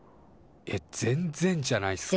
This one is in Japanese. えっ全っ然じゃないっすか。